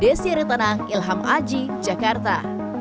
desi ritana ilham aji jakarta